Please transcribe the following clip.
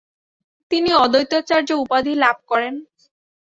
তিনি অদ্বৈতাচার্য উপাধি লাভ করেন।